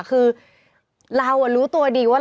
คือเรารู้ตัวดีว่า